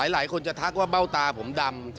หลายคนจะทักว่าเบ้าตาผมดำ